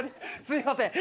すいません。